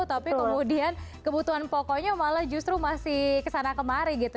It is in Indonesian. tapi kemudian kebutuhan pokoknya malah justru masih kesana kemari gitu